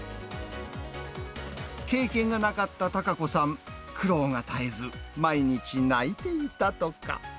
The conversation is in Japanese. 経験がなかった孝子さん、苦労が絶えず、毎日泣いていたとか。